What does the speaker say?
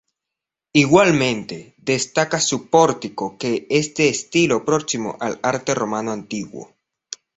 Igualmente, destaca su pórtico que es de estilo próximo al arte romano antiguo.